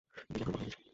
বিল এখনও বকেয়া রয়েছে!